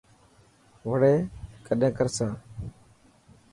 وڙي ڪڏهن ڪر سان.